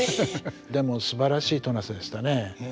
でもすばらしい戸無瀬でしたね。